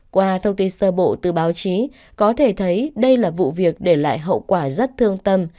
qua thông tin sơ bộ từ báo chí có thể thấy đây là vụ việc để lại hậu quả rất thương tâm